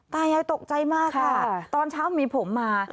ตายายตกใจมากค่ะตอนเช้ามีผมมา